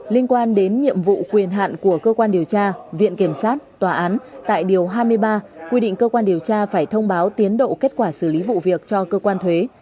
liên quan đến nhiệm vụ quyền hạn của cơ quan điều tra viện kiểm sát tòa án tại điều hai mươi ba quy định cơ quan điều tra phải thông báo tiến độ kết quả xử lý vụ việc cho cơ quan thuế